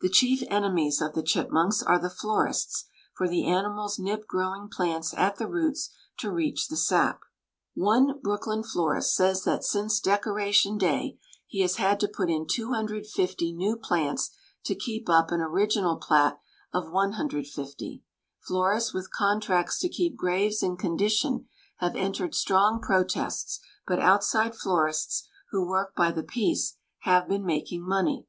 The chief enemies of the chipmunks are the florists, for the animals nip growing plants at the roots to reach the sap. One Brooklyn florist says that since Decoration Day he has had to put in 250 new plants to keep up an original plat of 150. Florists with contracts to keep graves in condition have entered strong protests, but outside florists, who work by the piece, have been making money.